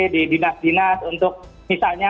di dinas dinas untuk misalnya